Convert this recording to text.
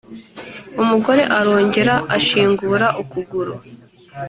Umugore arongera ashingura ukuguru